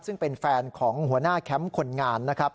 ซึ่งเป็นแฟนของหัวหน้าแคมป์คนงานนะครับ